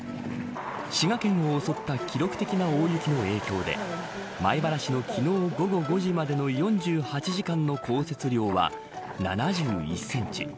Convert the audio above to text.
滋賀県を襲った記録的な大雪の影響で米原市の昨日午後５時までの４８時間の降雪量は７１センチ。